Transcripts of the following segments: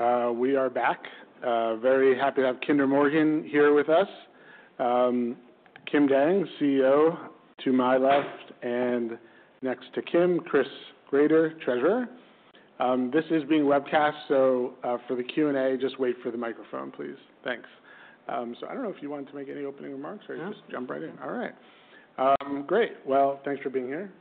Okay. We are back. Very happy to have Kinder Morgan here with us. Kim Dang, CEO, to my left, and next to Kim, Chris Gratton, Treasurer. This is being webcast, so for the Q&A, just wait for the microphone, please. Thanks. So I don't know if you want to make any opening remarks or just jump right in. No. All right. Great. Well, thanks for being here.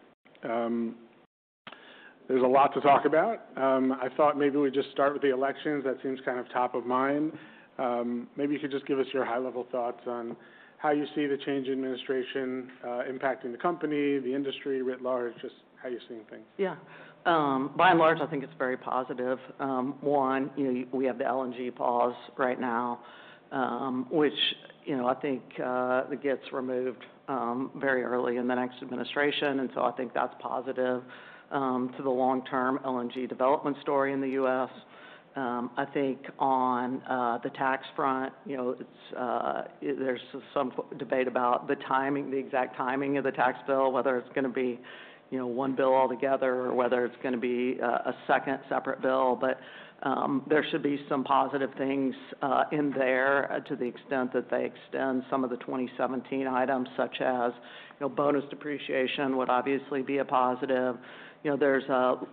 There's a lot to talk about. I thought maybe we'd just start with the elections. That seems kind of top of mind. Maybe you could just give us your high-level thoughts on how you see the change in administration impacting the company, the industry writ large, just how you're seeing things. Yeah. By and large, I think it's very positive. One, we have the LNG pause right now, which I think gets removed very early in the next administration. And so I think that's positive to the long-term LNG development story in the U.S. I think on the tax front, there's some debate about the timing, the exact timing of the tax bill, whether it's going to be one bill altogether or whether it's going to be a second separate bill. But there should be some positive things in there to the extent that they extend some of the 2017 items, such as bonus depreciation, would obviously be a positive. There's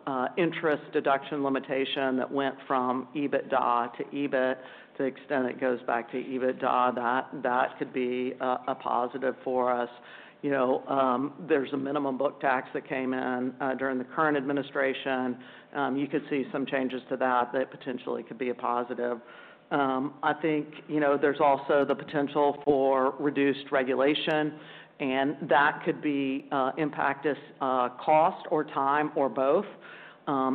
an interest deduction limitation that went from EBITDA to EBIT to the extent it goes back to EBITDA. That could be a positive for us. There's a minimum book tax that came in during the current administration. You could see some changes to that that potentially could be a positive. I think there's also the potential for reduced regulation, and that could impact us cost or time or both.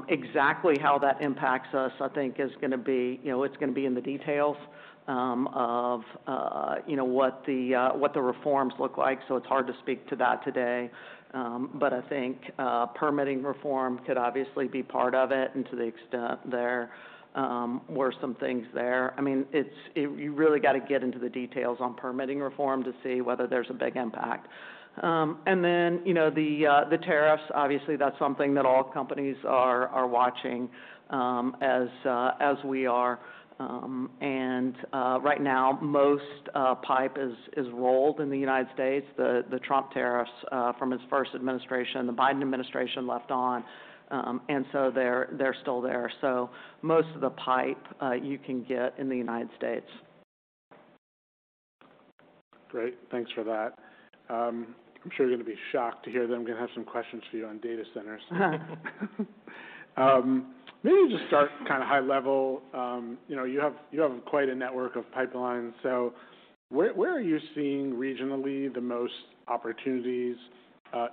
Exactly how that impacts us, I think, is going to be in the details of what the reforms look like. So it's hard to speak to that today. But I think permitting reform could obviously be part of it and to the extent there were some things there. I mean, you really got to get into the details on permitting reform to see whether there's a big impact. And then the tariffs, obviously, that's something that all companies are watching as we are. And right now, most pipe is rolled in the United States. The Trump tariffs from his first administration, the Biden administration left on, and so they're still there. So most of the pipe you can get in the United States. Great. Thanks for that. I'm sure you're going to be shocked to hear that I'm going to have some questions for you on data centers. Maybe just start kind of high level. You have quite a network of pipelines. So where are you seeing regionally the most opportunities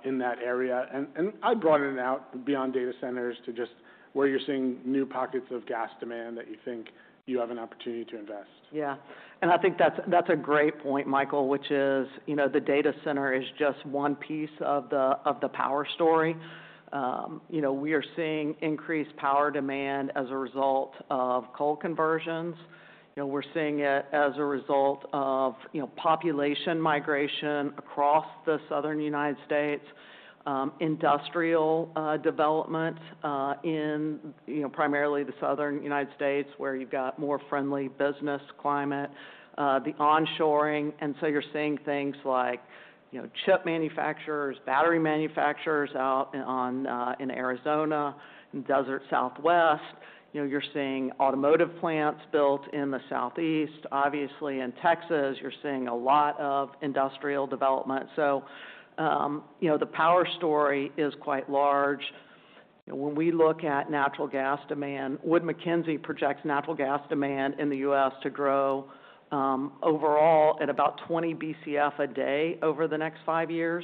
in that area? And I brought it out beyond data centers to just where you're seeing new pockets of gas demand that you think you have an opportunity to invest? Yeah. And I think that's a great point, Michael, which is the data center is just one piece of the power story. We are seeing increased power demand as a result of coal conversions. We're seeing it as a result of population migration across the Southern United States, industrial development in primarily the Southern United States where you've got more friendly business climate, the onshoring. And so you're seeing things like chip manufacturers, battery manufacturers out in Arizona, in the Desert Southwest. You're seeing automotive plants built in the Southeast. Obviously, in Texas, you're seeing a lot of industrial development. So the power story is quite large. When we look at natural gas demand, Wood Mackenzie projects natural gas demand in the U.S. to grow overall at about 20 BCF a day over the next five years.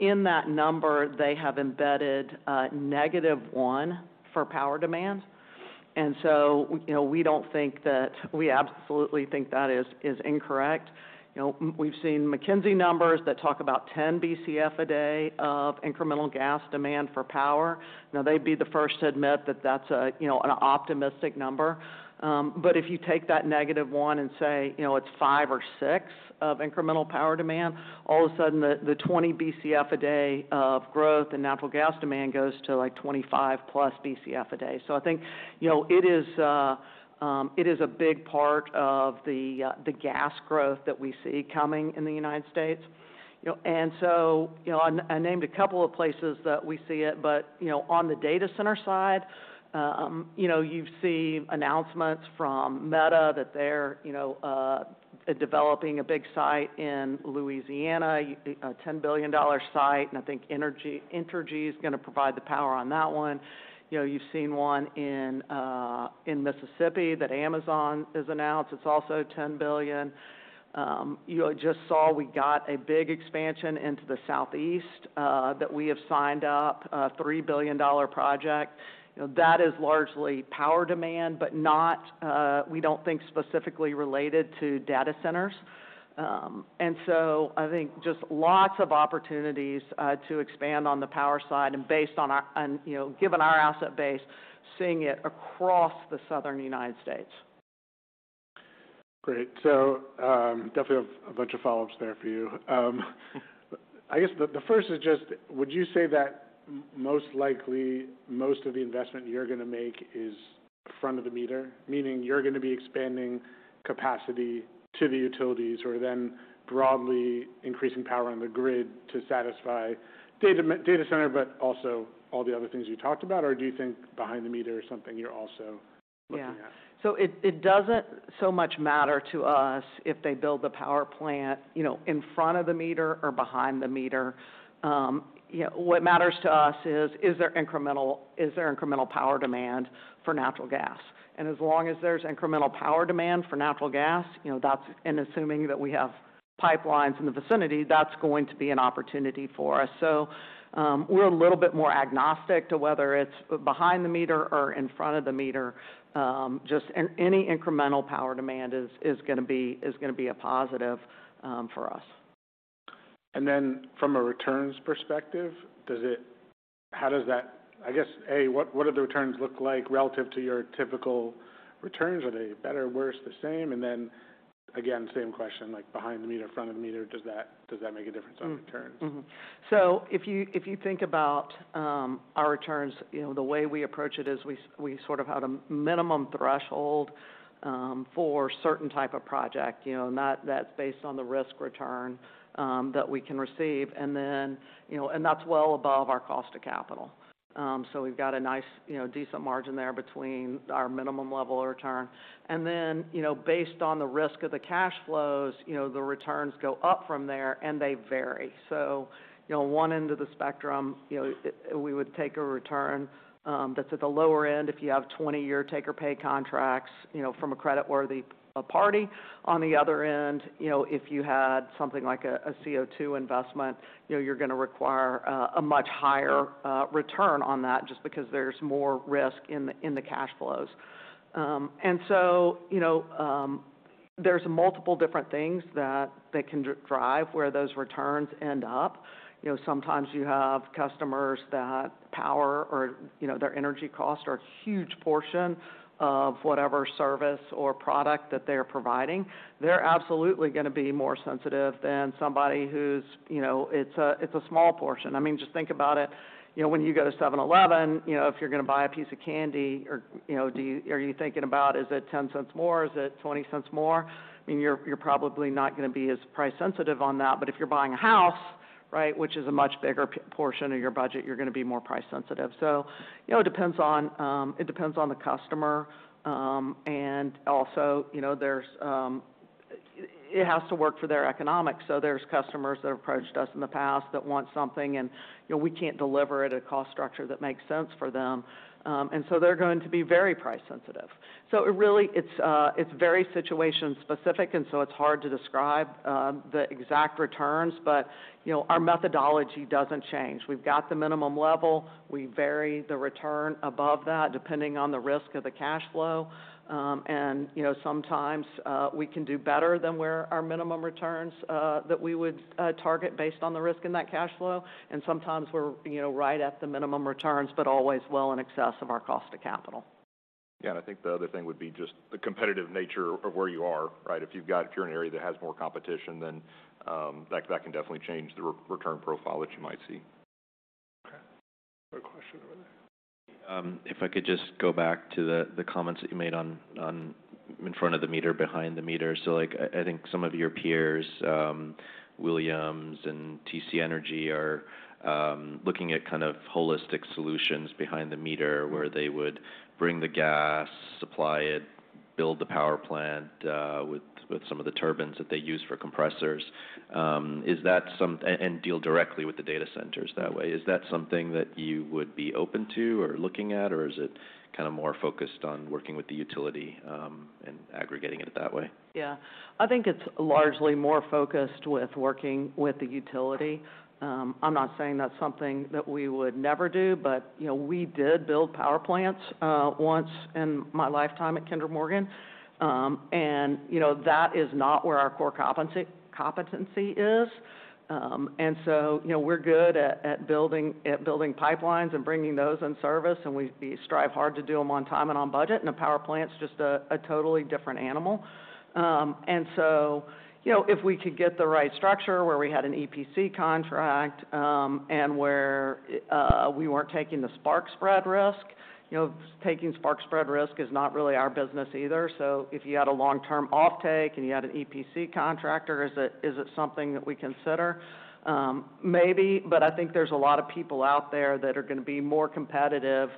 In that number, they have embedded negative one for power demands. We don't think that we absolutely think that is incorrect. We've seen Wood Mackenzie numbers that talk about 10 BCF a day of incremental gas demand for power. Now, they'd be the first to admit that that's an optimistic number. But if you take that negative one and say it's five or six of incremental power demand, all of a sudden, the 20 BCF a day of growth in natural gas demand goes to like 25 plus BCF a day. So I think it is a big part of the gas growth that we see coming in the United States. And so I named a couple of places that we see it. But on the data center side, you see announcements from Meta that they're developing a big site in Louisiana, a $10 billion site. And I think Entergy is going to provide the power on that one. You've seen one in Mississippi that Amazon has announced. It's also $10 billion. You just saw we got a big expansion into the southeast that we have signed up, a $3 billion project. That is largely power demand, but we don't think specifically related to data centers. And so I think just lots of opportunities to expand on the power side. And based on, given our asset base, seeing it across the Southern United States. Great. So definitely a bunch of follow-ups there for you. I guess the first is just, would you say that most likely most of the investment you're going to make is front of the meter, meaning you're going to be expanding capacity to the utilities or then broadly increasing power on the grid to satisfy data center, but also all the other things you talked about? Or do you think behind the meter is something you're also looking at? Yeah. So it doesn't so much matter to us if they build the power plant in front of the meter or behind the meter. What matters to us is, is there incremental power demand for natural gas? And as long as there's incremental power demand for natural gas, and assuming that we have pipelines in the vicinity, that's going to be an opportunity for us. So we're a little bit more agnostic to whether it's behind the meter or in front of the meter. Just any incremental power demand is going to be a positive for us. And then from a returns perspective, how does that, I guess, A, what do the returns look like relative to your typical returns? Are they better, worse, the same? And then again, same question, like behind the meter, front of the meter, does that make a difference on returns? So if you think about our returns, the way we approach it is we sort of have a minimum threshold for a certain type of project. That's based on the risk return that we can receive. And that's well above our cost of capital. So we've got a nice decent margin there between our minimum level of return. And then based on the risk of the cash flows, the returns go up from there and they vary. So one end of the spectrum, we would take a return that's at the lower end if you have 20-year take-or-pay contracts from a creditworthy party. On the other end, if you had something like a CO2 investment, you're going to require a much higher return on that just because there's more risk in the cash flows. And so there's multiple different things that they can drive where those returns end up. Sometimes you have customers that power or their energy costs are a huge portion of whatever service or product that they're providing. They're absolutely going to be more sensitive than somebody who's it's a small portion. I mean, just think about it. When you go to 7-Eleven, if you're going to buy a piece of candy, are you thinking about, is it 10 cents more? Is it 20 cents more? I mean, you're probably not going to be as price-sensitive on that. But if you're buying a house, which is a much bigger portion of your budget, you're going to be more price-sensitive. So it depends on the customer. And also, it has to work for their economics. So there's customers that have approached us in the past that want something, and we can't deliver it at a cost structure that makes sense for them. And so they're going to be very price-sensitive. So it's very situation-specific, and so it's hard to describe the exact returns. But our methodology doesn't change. We've got the minimum level. We vary the return above that depending on the risk of the cash flow. And sometimes we can do better than where our minimum returns that we would target based on the risk in that cash flow. And sometimes we're right at the minimum returns, but always well in excess of our cost of capital. Yeah, and I think the other thing would be just the competitive nature of where you are. If you're in an area that has more competition, then that can definitely change the return profile that you might see. Okay. Quick question over there. If I could just go back to the comments that you made on front of the meter, behind the meter. So I think some of your peers, Williams and TC Energy, are looking at kind of holistic solutions behind the meter where they would bring the gas, supply it, build the power plant with some of the turbines that they use for compressors. And deal directly with the data centers that way. Is that something that you would be open to or looking at, or is it kind of more focused on working with the utility and aggregating it that way? Yeah. I think it's largely more focused with working with the utility. I'm not saying that's something that we would never do, but we did build power plants once in my lifetime at Kinder Morgan. And that is not where our core competency is. And so we're good at building pipelines and bringing those in service. And we strive hard to do them on time and on budget. And a power plant's just a totally different animal. And so if we could get the right structure where we had an EPC contract and where we weren't taking the spark spread risk, taking spark spread risk is not really our business either. So if you had a long-term offtake and you had an EPC contractor, is it something that we consider? Maybe. But I think there's a lot of people out there that are going to be more competitive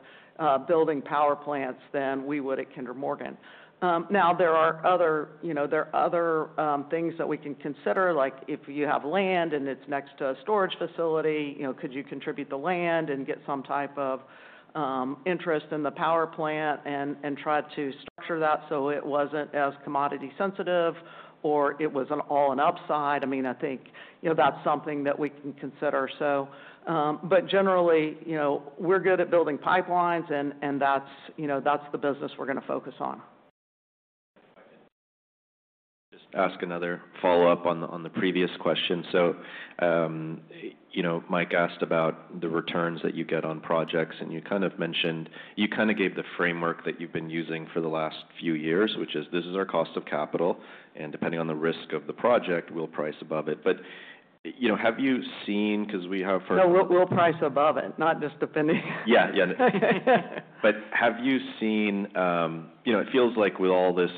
building power plants than we would at Kinder Morgan. Now, there are other things that we can consider, like if you have land and it's next to a storage facility, could you contribute the land and get some type of interest in the power plant and try to structure that so it wasn't as commodity sensitive or it was an all upside? I mean, I think that's something that we can consider. But generally, we're good at building pipelines, and that's the business we're going to focus on. Just ask another follow-up on the previous question. So Mike asked about the returns that you get on projects, and you kind of mentioned you kind of gave the framework that you've been using for the last few years, which is this is our cost of capital. And depending on the risk of the project, we'll price above it. But have you seen because we have heard? No, we'll price above it, not just depending. Yeah. But have you seen it feels like with all this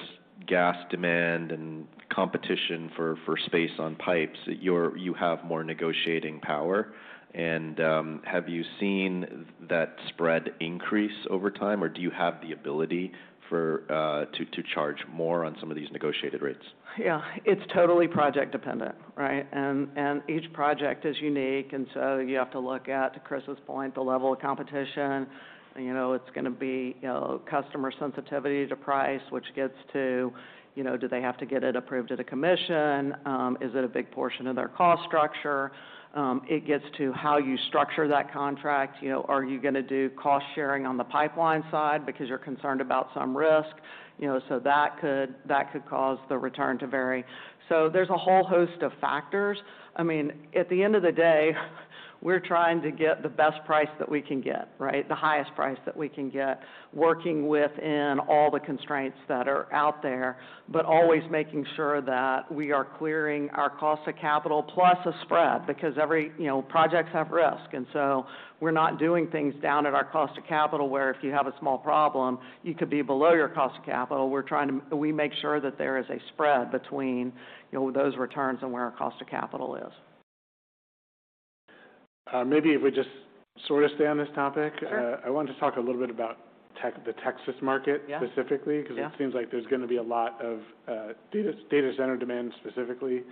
gas demand and competition for space on pipes, you have more negotiating power. And have you seen that spread increase over time, or do you have the ability to charge more on some of these negotiated rates? Yeah. It's totally project-dependent, right? And each project is unique. And so you have to look at, to Chris's point, the level of competition. It's going to be customer sensitivity to price, which gets to do they have to get it approved at a commission? Is it a big portion of their cost structure? It gets to how you structure that contract. Are you going to do cost sharing on the pipeline side because you're concerned about some risk? So that could cause the return to vary. So there's a whole host of factors. I mean, at the end of the day, we're trying to get the best price that we can get, right? The highest price that we can get, working within all the constraints that are out there, but always making sure that we are clearing our cost of capital plus a spread because projects have risk. We're not doing things down at our cost of capital where if you have a small problem, you could be below your cost of capital. We make sure that there is a spread between those returns and where our cost of capital is. Maybe if we just sort of stay on this topic. I wanted to talk a little bit about the Texas market specifically because it seems like there's going to be a lot of data center demand specifically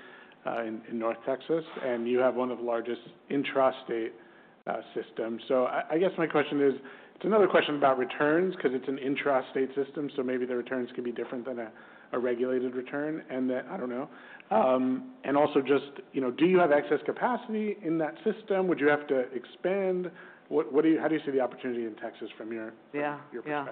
in North Texas. And you have one of the largest intrastate systems. So I guess my question is, it's another question about returns because it's an intrastate system. So maybe the returns could be different than a regulated return. And I don't know. And also just, do you have excess capacity in that system? Would you have to expand? How do you see the opportunity in Texas from your perspective? Yeah.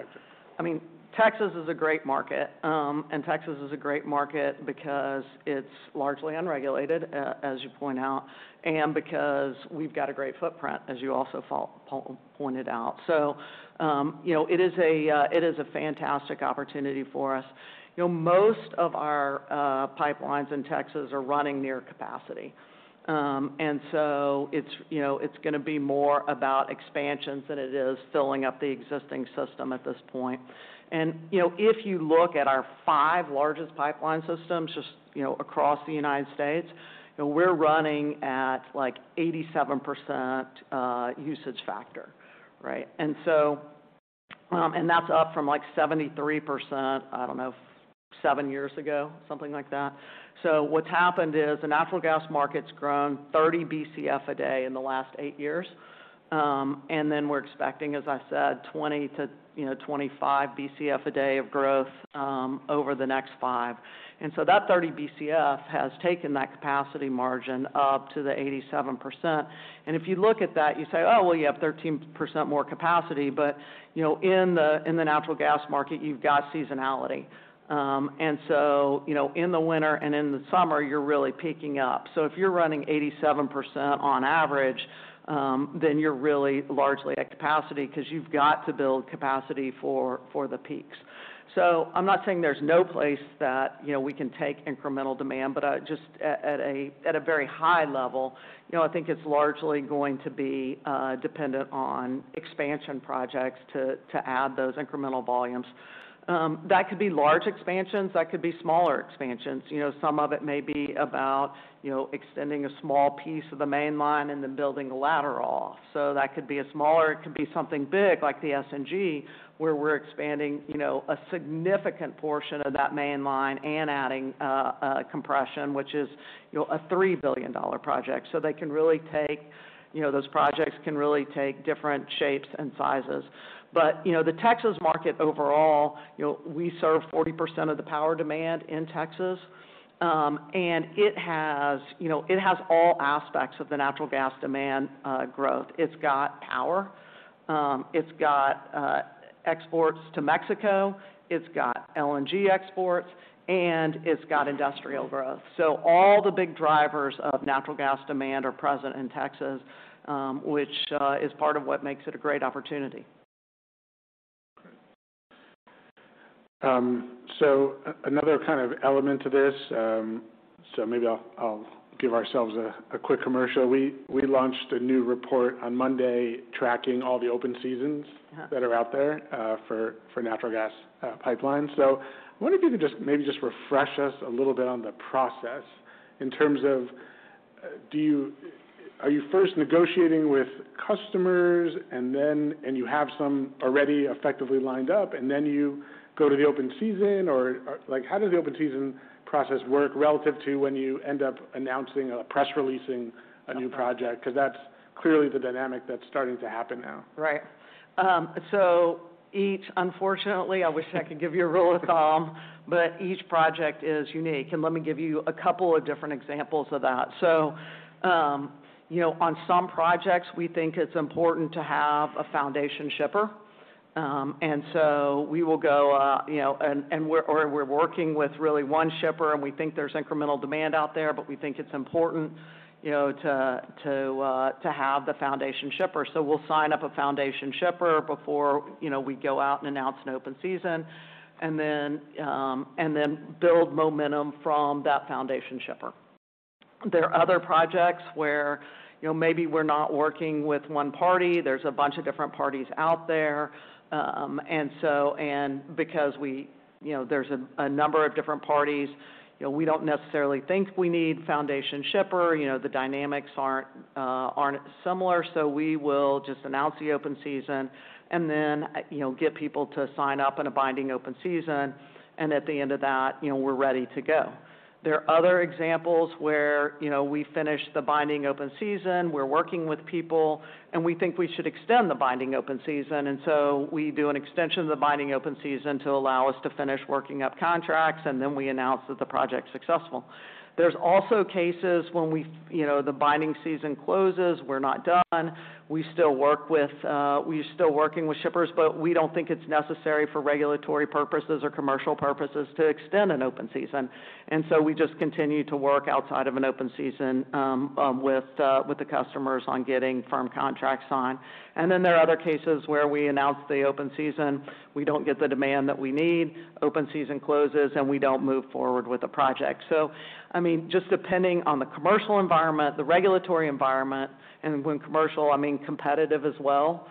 I mean, Texas is a great market. And Texas is a great market because it's largely unregulated, as you point out, and because we've got a great footprint, as you also pointed out. So it is a fantastic opportunity for us. Most of our pipelines in Texas are running near capacity. And so it's going to be more about expansions than it is filling up the existing system at this point. And if you look at our five largest pipeline systems just across the United States, we're running at like 87% usage factor, right? And that's up from like 73%, I don't know, seven years ago, something like that. So what's happened is the natural gas market's grown 30 BCF a day in the last eight years. And then we're expecting, as I said, 20-25 BCF a day of growth over the next five. And so that 30 BCF has taken that capacity margin up to the 87%. And if you look at that, you say, "Oh, well, you have 13% more capacity." But in the natural gas market, you've got seasonality. And so in the winter and in the summer, you're really peaking up. So if you're running 87% on average, then you're really largely at capacity because you've got to build capacity for the peaks. So I'm not saying there's no place that we can take incremental demand, but just at a very high level, I think it's largely going to be dependent on expansion projects to add those incremental volumes. That could be large expansions. That could be smaller expansions. Some of it may be about extending a small piece of the main line and then building a lateral off. So that could be a smaller. It could be something big like the SNG, where we're expanding a significant portion of that main line and adding compression, which is a $3 billion project, so those projects can really take different shapes and sizes, but the Texas market overall, we serve 40% of the power demand in Texas, and it has all aspects of the natural gas demand growth. It's got power. It's got exports to Mexico. It's got LNG exports, and it's got industrial growth, so all the big drivers of natural gas demand are present in Texas, which is part of what makes it a great opportunity. Another kind of element to this, so maybe I'll give ourselves a quick commercial. We launched a new report on Monday tracking all the open seasons that are out there for natural gas pipelines. I wonder if you could just maybe refresh us a little bit on the process in terms of are you first negotiating with customers, and then you have some already effectively lined up, and then you go to the open season, or how does the open season process work relative to when you end up announcing or press releasing a new project? Because that's clearly the dynamic that's starting to happen now. Right. So unfortunately, I wish I could give you a rule of thumb, but each project is unique, and let me give you a couple of different examples of that, so on some projects, we think it's important to have a foundation shipper. And so we will go and we're working with really one shipper, and we think there's incremental demand out there, but we think it's important to have the foundation shipper. So we'll sign up a foundation shipper before we go out and announce an open season and then build momentum from that foundation shipper. There are other projects where maybe we're not working with one party. There's a bunch of different parties out there, and because there's a number of different parties, we don't necessarily think we need foundation shipper. The dynamics aren't similar. So we will just announce the open season and then get people to sign up in a binding open season, and at the end of that, we're ready to go. There are other examples where we finish the binding open season. We're working with people, and we think we should extend the binding open season, and so we do an extension of the binding open season to allow us to finish working up contracts, and then we announce that the project's successful. There's also cases when the binding season closes, we're not done. We're still working with shippers, but we don't think it's necessary for regulatory purposes or commercial purposes to extend an open season, and so we just continue to work outside of an open season with the customers on getting firm contracts signed, and then there are other cases where we announce the open season. We don't get the demand that we need. Open season closes, and we don't move forward with the project. So I mean, just depending on the commercial environment, the regulatory environment, and when commercial, I mean competitive as well,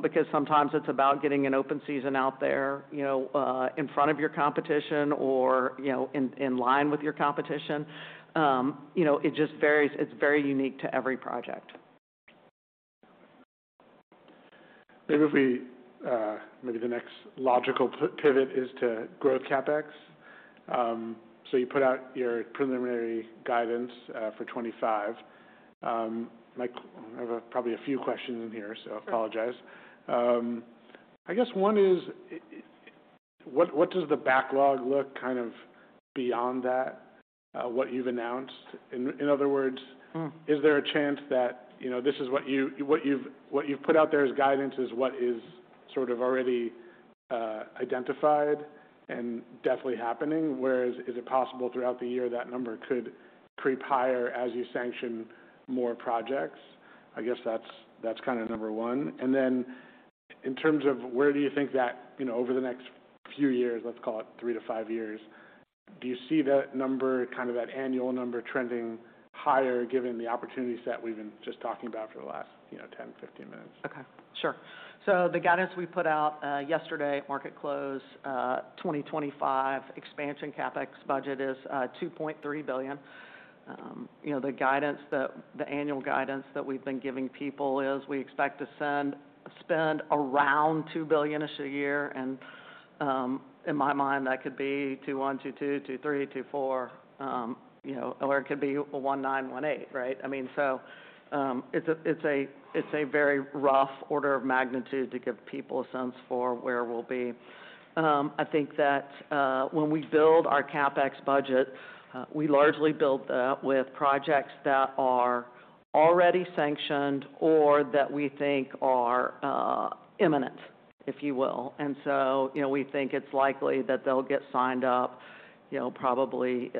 because sometimes it's about getting an open season out there in front of your competition or in line with your competition. It just varies. It's very unique to every project. Maybe the next logical pivot is to growth CapEx. So you put out your preliminary guidance for 2025. I have probably a few questions in here, so I apologize. I guess one is, what does the backlog look kind of beyond that, what you've announced? In other words, is there a chance that this is what you've put out there as guidance is what is sort of already identified and definitely happening? Whereas is it possible throughout the year that number could creep higher as you sanction more projects? I guess that's kind of number one. And then in terms of where do you think that over the next few years, let's call it three to five years, do you see that number, kind of that annual number trending higher given the opportunities that we've been just talking about for the last 10, 15 minutes? Okay. Sure. So the guidance we put out yesterday, market close, 2025 expansion CapEx budget is $2.3 billion. The annual guidance that we've been giving people is we expect to spend around $2 billion-ish a year. And in my mind, that could be $2.1 billion, $2.2 billion, $2.3 billion, $2.4 billion, or it could be $1.9 billion, $1.8 billion, right? I mean, so it's a very rough order of magnitude to give people a sense for where we'll be. I think that when we build our CapEx budget, we largely build that with projects that are already sanctioned or that we think are imminent, if you will. And so we think it's likely that they'll get signed up probably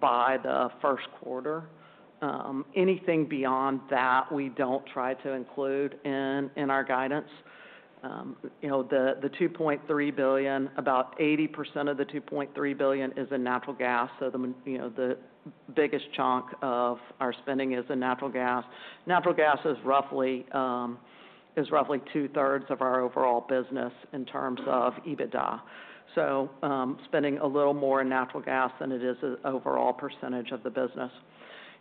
by the first quarter. Anything beyond that, we don't try to include in our guidance. The $2.3 billion, about 80% of the $2.3 billion is in natural gas. So the biggest chunk of our spending is in natural gas. Natural gas is roughly two-thirds of our overall business in terms of EBITDA. So spending a little more in natural gas than it is an overall percentage of the business.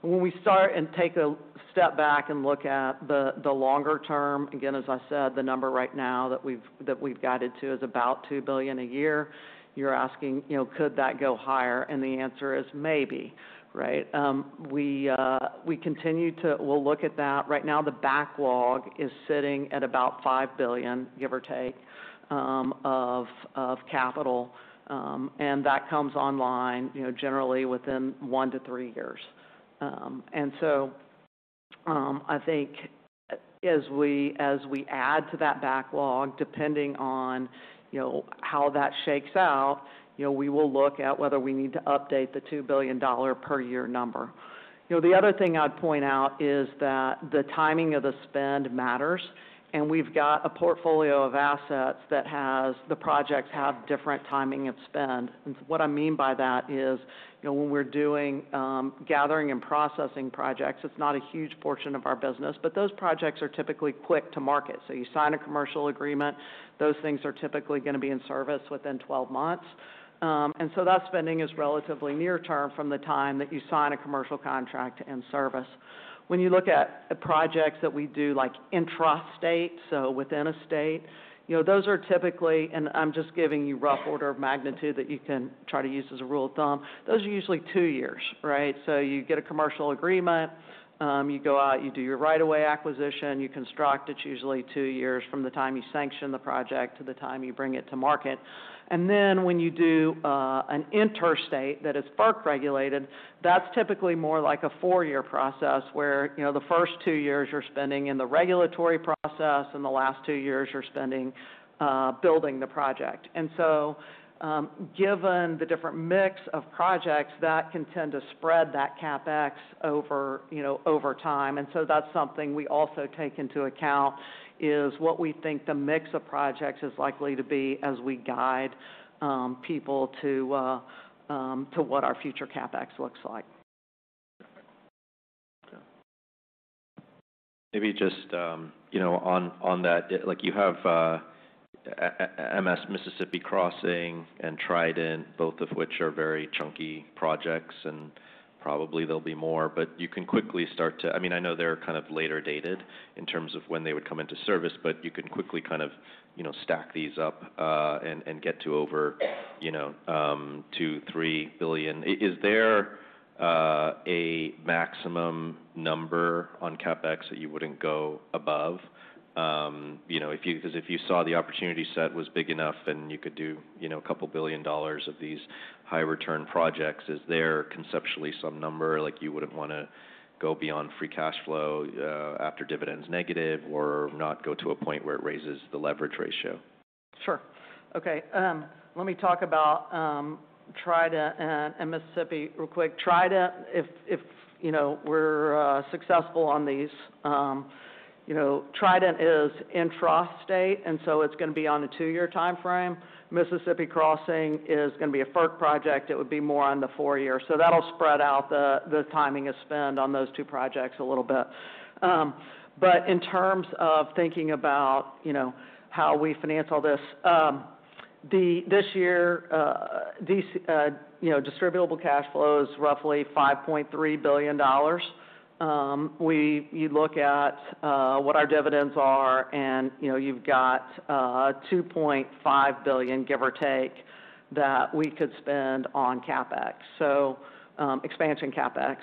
When we start and take a step back and look at the longer term, again, as I said, the number right now that we've guided to is about $2 billion a year. You're asking, could that go higher? And the answer is maybe, right? We continue to look at that. Right now, the backlog is sitting at about $5 billion, give or take, of capital. And that comes online generally within one to three years. And so I think as we add to that backlog, depending on how that shakes out, we will look at whether we need to update the $2 billion per year number. The other thing I'd point out is that the timing of the spend matters, and we've got a portfolio of assets that has the projects have different timing of spend, and what I mean by that is when we're doing gathering and processing projects, it's not a huge portion of our business, but those projects are typically quick to market, so you sign a commercial agreement, those things are typically going to be in service within 12 months, and so that spending is relatively near-term from the time that you sign a commercial contract and service. When you look at projects that we do like intrastate, so within a state, those are typically, and I'm just giving you rough order of magnitude that you can try to use as a rule of thumb, those are usually two years, right? So you get a commercial agreement, you go out, you do your right-of-way acquisition, you construct. It's usually two years from the time you sanction the project to the time you bring it to market. And then when you do an interstate that is FERC regulated, that's typically more like a four-year process where the first two years you're spending in the regulatory process and the last two years you're spending building the project. And so given the different mix of projects, that can tend to spread that CapEx over time. And so that's something we also take into account is what we think the mix of projects is likely to be as we guide people to what our future CapEx looks like. Maybe just on that, you have Mississippi Crossing and Trident, both of which are very chunky projects, and probably there'll be more. But you can quickly start to, I mean, I know they're kind of later dated in terms of when they would come into service, but you can quickly kind of stack these up and get to over $2-3 billion. Is there a maximum number on CapEx that you wouldn't go above? Because if you saw the opportunity set was big enough and you could do $2 billion of these high-return projects, is there conceptually some number you wouldn't want to go beyond free cash flow after dividends negative or not go to a point where it raises the leverage ratio? Sure. Okay. Let me talk about Trident and Mississippi real quick. Trident, if we're successful on these, Trident is intrastate, and so it's going to be on a two-year timeframe. Mississippi Crossing is going to be a FERC project. It would be more on the four-year. So that'll spread out the timing of spend on those two projects a little bit. But in terms of thinking about how we finance all this, this year, distributable cash flow is roughly $5.3 billion. You look at what our dividends are, and you've got $2.5 billion, give or take, that we could spend on CapEx, so expansion CapEx.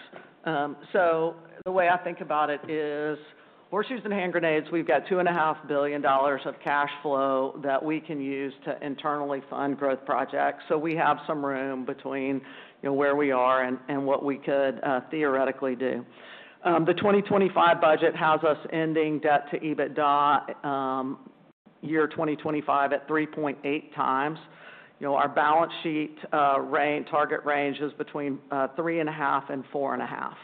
So the way I think about it is horseshoes and hand grenades. We've got $2.5 billion of cash flow that we can use to internally fund growth projects. So we have some room between where we are and what we could theoretically do. The 2025 budget has us ending Debt-to-EBITDA year 2025 at 3.8 times. Our balance sheet target range is between 3.5 and 4.5.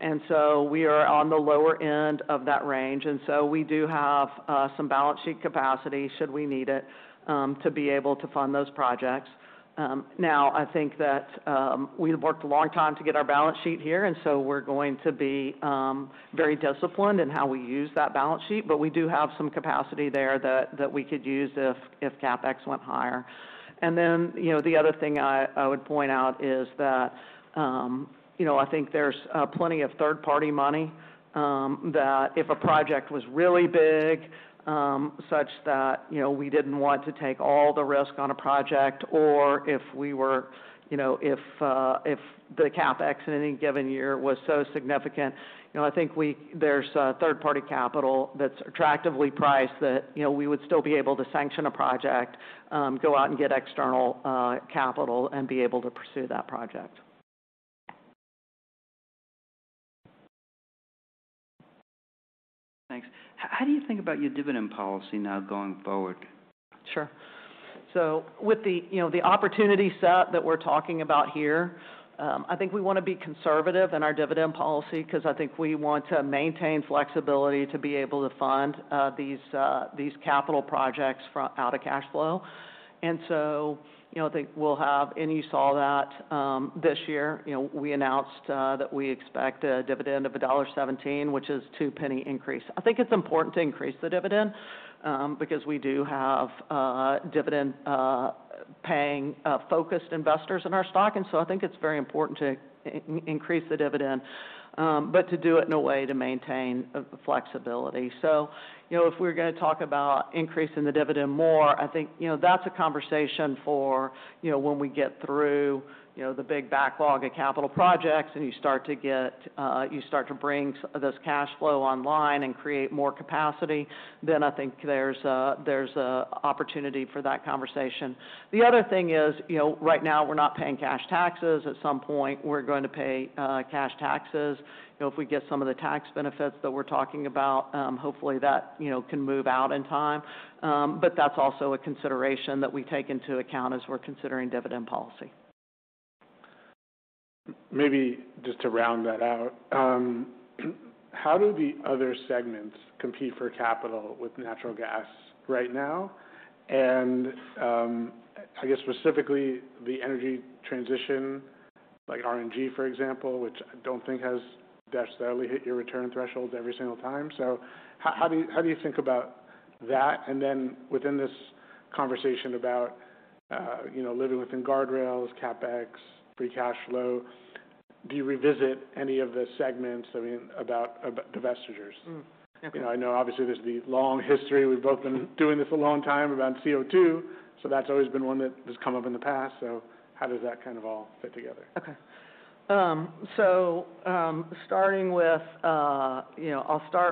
And so we are on the lower end of that range. And so we do have some balance sheet capacity should we need it to be able to fund those projects. Now, I think that we worked a long time to get our balance sheet here, and so we're going to be very disciplined in how we use that balance sheet, but we do have some capacity there that we could use if CapEx went higher. And then the other thing I would point out is that I think there's plenty of third-party money that if a project was really big such that we didn't want to take all the risk on a project, or if the CapEx in any given year was so significant. I think there's third-party capital that's attractively priced that we would still be able to sanction a project, go out and get external capital, and be able to pursue that project. Thanks. How do you think about your dividend policy now going forward? Sure. So with the opportunity set that we're talking about here, I think we want to be conservative in our dividend policy because I think we want to maintain flexibility to be able to fund these capital projects out of cash flow. And so I think we'll have, and you saw that this year, we announced that we expect a dividend of $1.17, which is a two-penny increase. I think it's important to increase the dividend because we do have dividend-paying focused investors in our stock. And so I think it's very important to increase the dividend, but to do it in a way to maintain flexibility. So if we're going to talk about increasing the dividend more, I think that's a conversation for when we get through the big backlog of capital projects and you start to bring this cash flow online and create more capacity, then I think there's an opportunity for that conversation. The other thing is right now we're not paying cash taxes. At some point, we're going to pay cash taxes. If we get some of the tax benefits that we're talking about, hopefully that can move out in time. But that's also a consideration that we take into account as we're considering dividend policy. Maybe just to round that out, how do the other segments compete for capital with natural gas right now? And I guess specifically the energy transition, like RNG, for example, which I don't think has necessarily hit your return thresholds every single time. So how do you think about that? And then within this conversation about living within guardrails, CapEx, free cash flow, do you revisit any of the segments about divestitures? I know obviously there's the long history. We've both been doing this a long time around CO2, so that's always been one that has come up in the past. So how does that kind of all fit together? Okay, so I'll start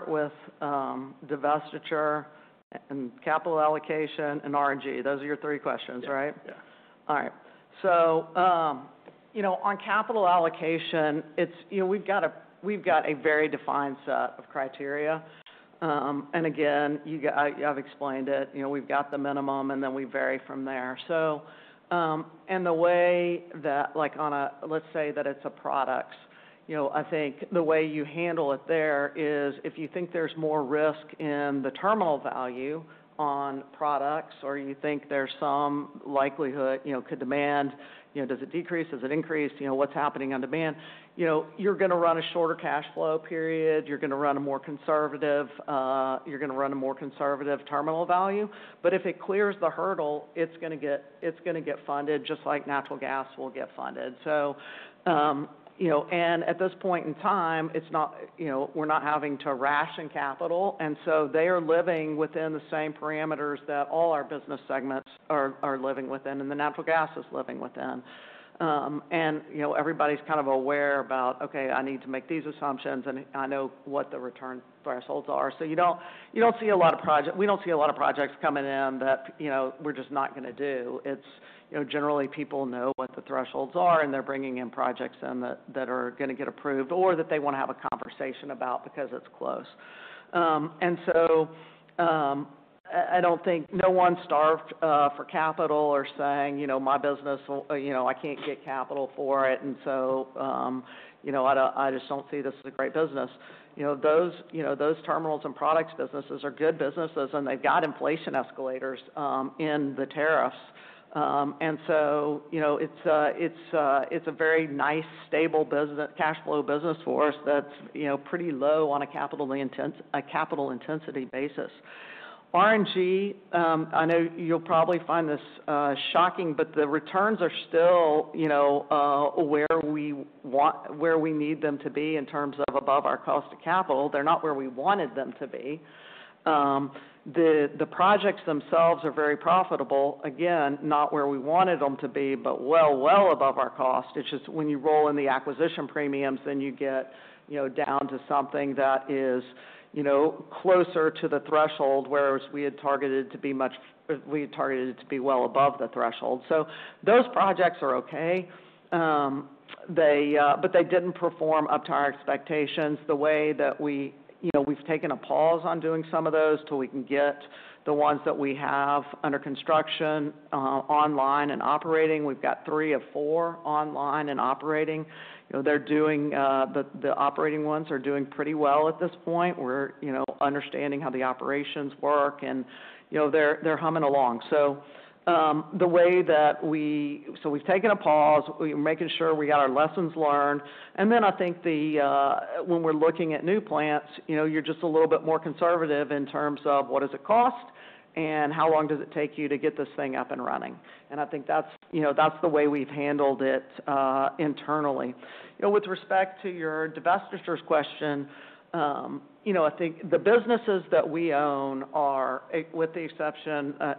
with divestiture and capital allocation and RNG. Those are your three questions, right? Yeah. All right. So on capital allocation, we've got a very defined set of criteria. And again, I've explained it. We've got the minimum, and then we vary from there. And the way that, let's say that it's a product, I think the way you handle it there is if you think there's more risk in the terminal value on products or you think there's some likelihood could demand, does it decrease, does it increase, what's happening on demand, you're going to run a shorter cash flow period. You're going to run a more conservative terminal value. But if it clears the hurdle, it's going to get funded just like natural gas will get funded. And at this point in time, we're not having to ration capital. And so they are living within the same parameters that all our business segments are living within and the natural gas is living within. And everybody's kind of aware about, okay, I need to make these assumptions and I know what the return thresholds are. So you don't see a lot of projects, we don't see a lot of projects coming in that we're just not going to do. Generally, people know what the thresholds are and they're bringing in projects that are going to get approved or that they want to have a conversation about because it's close. And so I don't think no one starved for capital or saying, "My business, I can't get capital for it, and so I just don't see this as a great business." Those terminals and products businesses are good businesses and they've got inflation escalators in the tariffs. It's a very nice, stable cash flow business for us that's pretty low on a capital intensity basis. RNG, I know you'll probably find this shocking, but the returns are still where we need them to be in terms of above our cost of capital. They're not where we wanted them to be. The projects themselves are very profitable, again, not where we wanted them to be, but well, well above our cost. It's just when you roll in the acquisition premiums, then you get down to something that is closer to the threshold, whereas we had targeted to be much well above the threshold. Those projects are okay, but they didn't perform up to our expectations the way that we've taken a pause on doing some of those till we can get the ones that we have under construction online and operating. We've got three of four online and operating. The operating ones are doing pretty well at this point. We're understanding how the operations work and they're humming along. So the way that we've taken a pause. We're making sure we got our lessons learned. Then I think when we're looking at new plants, you're just a little bit more conservative in terms of what does it cost and how long does it take you to get this thing up and running. And I think that's the way we've handled it internally. With respect to your divestitures question, I think the businesses that we own are, with the exception of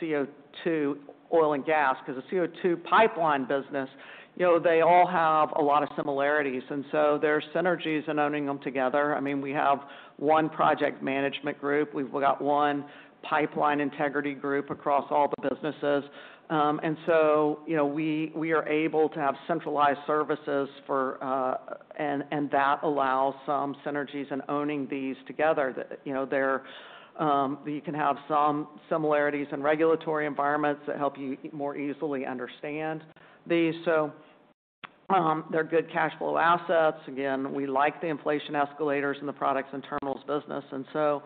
CO2 oil and gas because the CO2 pipeline business, they all have a lot of similarities. And so there's synergies in owning them together. I mean, we have one project management group. We've got one pipeline integrity group across all the businesses. And so we are able to have centralized services, and that allows some synergies in owning these together. You can have some similarities in regulatory environments that help you more easily understand these. So they're good cash flow assets. Again, we like the inflation escalators and the products and terminals business. And so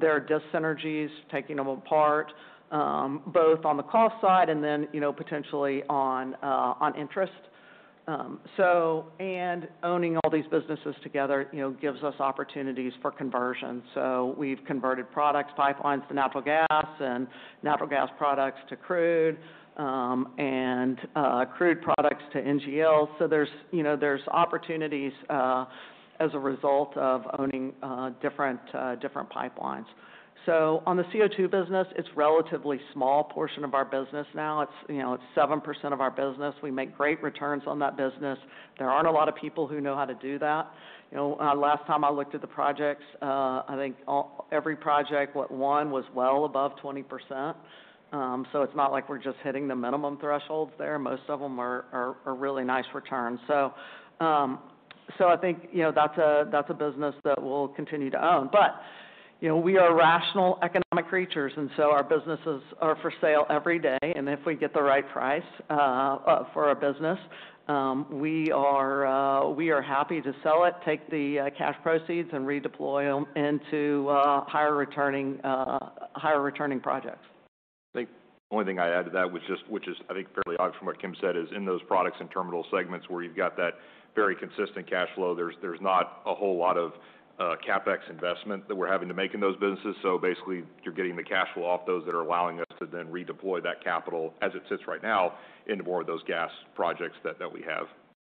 there are dyssynergies taking them apart both on the cost side and then potentially on interest. And owning all these businesses together gives us opportunities for conversion. So we've converted product pipelines to natural gas and natural gas products to crude and crude products to NGLs. So there's opportunities as a result of owning different pipelines. So on the CO2 business, it's a relatively small portion of our business now. It's 7% of our business. We make great returns on that business. There aren't a lot of people who know how to do that. Last time I looked at the projects, I think every project, what, one was well above 20%. So it's not like we're just hitting the minimum thresholds there. Most of them are really nice returns. So I think that's a business that we'll continue to own. But we are rational economic creatures, and so our businesses are for sale every day. If we get the right price for our business, we are happy to sell it, take the cash proceeds, and redeploy them into higher returning projects. I think the only thing I add to that, which is, I think, fairly odd from what Kim said, is in those products and terminal segments where you've got that very consistent cash flow, there's not a whole lot of CapEx investment that we're having to make in those businesses. So basically, you're getting the cash flow off those that are allowing us to then redeploy that capital as it sits right now into more of those gas projects that we have.